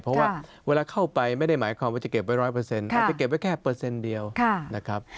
เพราะว่าเวลาเข้าไปไม่ได้หมายความว่าจะเก็บไว้๑๐๐อาจจะเก็บไว้แค่เปอร์เซ็นต์เดียวนะครับ